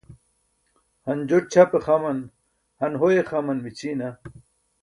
han joṭ ćʰape xaman, han hoye xaman mićʰiina?